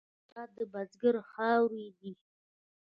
هېواد د بزګر خاورې دي.